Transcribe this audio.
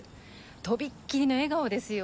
とびっきりの笑顔ですよ。